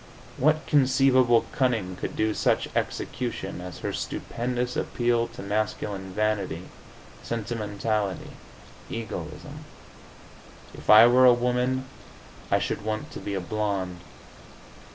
What conceivable cunning could do such execution as her stupendous appeal to masculine vanity, sentimentality, egoism? If I were a woman I should want to be a blonde.